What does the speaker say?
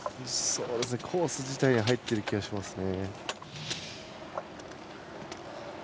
コース自体に入ってる気がしますね。